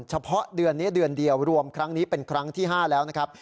เฉพาะเดือนนี้เดือนเดียวรวมครั้งนี้เป็นครั้งที่๕แล้วนะครับ